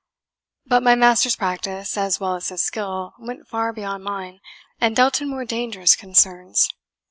But my master's practice, as well as his skill, went far beyond mine, and dealt in more dangerous concerns.